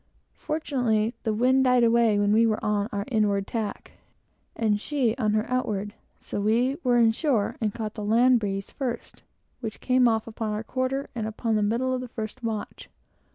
Fortunately, the wind died away when we were on our inward tack, and she on her outward, so we were in shore, and caught the land breeze first, which came off upon our quarter, about the middle of the first watch.